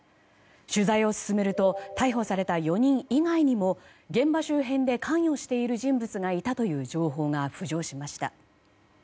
取材を進めると逮捕された４人以外にも現場周辺で関与している人物がいたという情報が浮上しました。